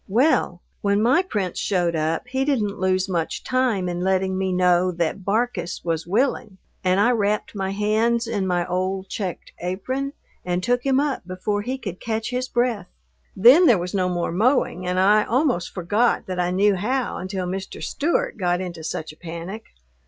Well, when my Prince showed up he didn't lose much time in letting me know that "Barkis was willing," and I wrapped my hands in my old checked apron and took him up before he could catch his breath. Then there was no more mowing, and I almost forgot that I knew how until Mr. Stewart got into such a panic.